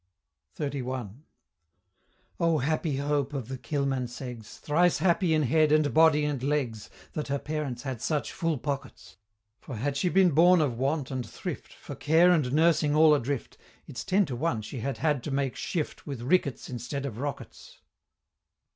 XXXI. Oh, happy Hope of the Kilmanseggs! Thrice happy in head, and body, and legs, That her parents had such full pockets! For had she been born of Want and Thrift, For care and nursing all adrift, It's ten to one she had had to make shift With rickets instead of rockets!